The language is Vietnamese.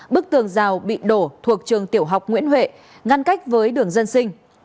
bức tường rào bị đổ thuộc trường tiểu học nguyễn huệ ngăn cách với đường dân sinh